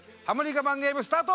我慢ゲームスタート！